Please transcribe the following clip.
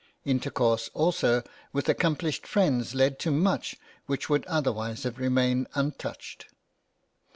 Intercourse, also, with accomplished friends led to much which would otherwise have remained untouched.